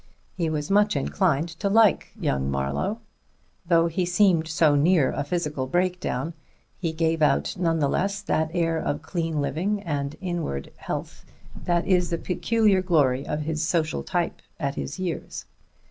He was much inclined to like young Mr. Marlowe. Though he seemed so near a physical break down, he gave out none the less that air of clean living and inward health that is the peculiar glory of his social type at his years.